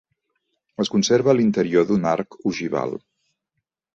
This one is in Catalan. Es conserva a l'interior un arc ogival.